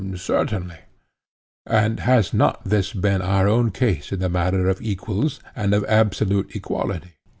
Certainly. And has not this been our own case in the matter of equals and of absolute equality?